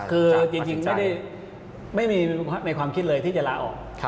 คือจริงไม่มีในความคิดเลยที่จะลาออก